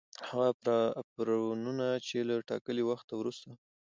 هغه آفرونه چي له ټاکلي وخته وروسته